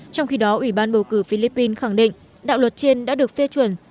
trong khi đó ủy ban bầu cử philippines khẳng định đạo luật trên đã được phê chuẩn